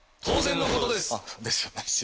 当然のことですあっですよね